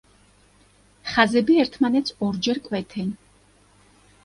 ხაზები ერთმანეთს ორჯერ კვეთენ.